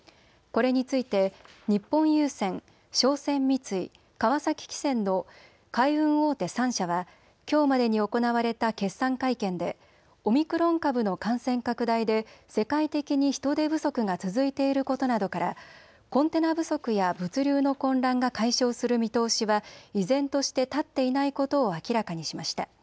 これについて日本郵船、商船三井、川崎汽船の海運大手３社はきょうまでに行われた決算会見でオミクロン株の感染拡大で世界的に人手不足が続いていることなどからコンテナ不足や物流の混乱が解消する見通しは依然として立っていないことを明らかにしました。